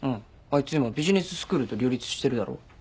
あいつ今ビジネススクールと両立してるだろ？